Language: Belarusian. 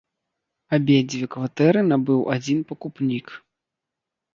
Абедзве кватэры набыў адзін пакупнік.